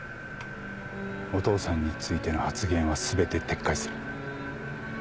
お父さんについての発言は全て撤回する。